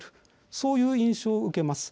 そういう印象を受けます。